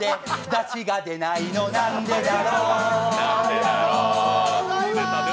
だしがでないのなんでだろう？